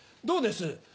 どうです？